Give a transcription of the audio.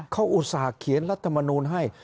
เขาอุตส่าห์เขียนรัฐมนูลให้